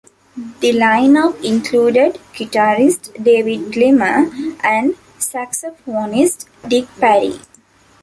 The line-up included guitarist David Gilmour and saxophonist Dick Parry.